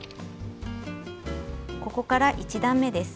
ここから１段めです。